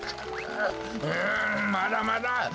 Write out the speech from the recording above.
んまだまだ！